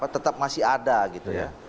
tetap masih ada gitu ya